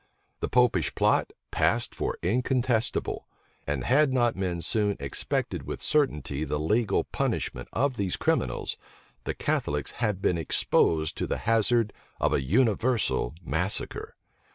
The Popish plot passed for incontestable: and had not men soon expected with certainty the legal punishment of these criminals, the Catholics had been exposed to the hazard of a universal massacre.